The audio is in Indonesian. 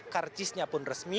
karcisnya pun resmi